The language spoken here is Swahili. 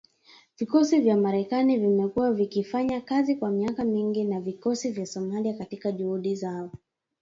Vikosi vya Marekani vimekuwa vikifanya kazi kwa miaka mingi na vikosi vya Somalia katika juhudi zao